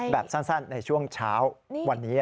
แบบสั้นในช่วงเช้าวันนี้